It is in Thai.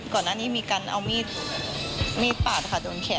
ก่อนอันนี้ก็มีกางเอามีดมีดปาดโดนแขน